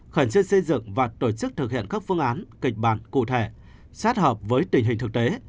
khẩn trương xây dựng và tổ chức thực hiện các phương án kịch bản cụ thể sát hợp với tình hình thực tế